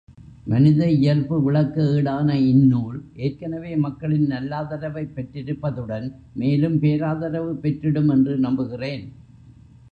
மனித இயல்பு விளக்க ஏடான இந்நூல் ஏற்கனவே மக்களின் நல்லாதரவைப் பெற்றிருப்பதுடன் மேலும் பேராதரவு பெற்றிடும் என்று நம்புகிறேன்.